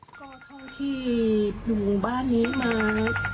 ก็ที่อยู่หมู่บ้านนี้มา